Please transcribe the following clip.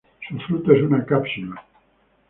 Su fruto es una cápsula.